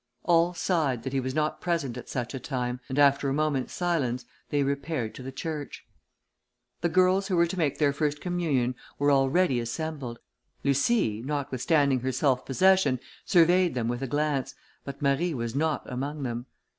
All sighed that he was not present at such a time, and after a moment's silence, they repaired to the church. The girls who were to make their first communion were already assembled. Lucie, notwithstanding her self possession, surveyed them with a glance, but Marie was not among them.